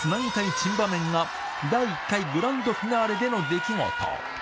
珍場面が、第１回グランドフィナーレでの出来事。